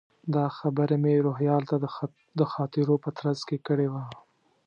دا خبره مې روهیال ته د خاطرو په ترڅ کې کړې وه.